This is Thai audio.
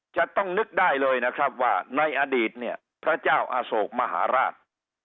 จะต้องนึกได้เลยนะครับว่าในอดีตเนี่ยพระเจ้าอโศกมหาราช